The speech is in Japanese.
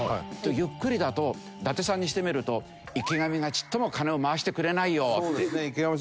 ゆっくりだと伊達さんにしてみると池上がちっとも金を回してくれないよって。